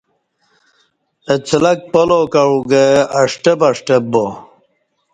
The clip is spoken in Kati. اڅلک پلاو کعو گہ اݜٹب اݜٹب با